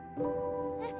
えっ？